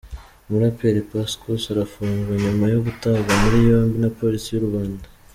Umuraperi Pacson arafunzwe nyuma yo gutabwa muri yombi na Polisi y'u Rwanda.